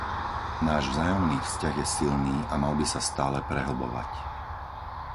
Náš vzájomný vzťah je silný a mal by sa stále prehlbovať.